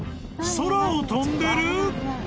空を飛んでる！？］